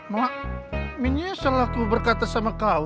mak minyak selaku berkata sama kau